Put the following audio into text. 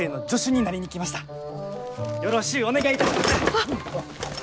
あっ！